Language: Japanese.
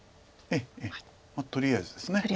ええとりあえずです。